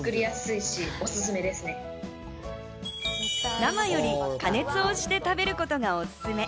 生より加熱をして食べることがおすすめ。